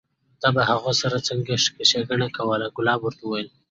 تا به هغو سره څنګه ښېګڼه کوله؟ کلاب ورته وویل: